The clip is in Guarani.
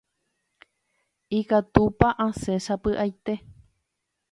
Ikatúpa asẽ sapy'aite.